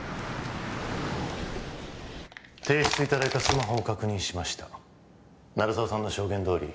提出いただいたスマホを確認しました鳴沢さんの証言どおり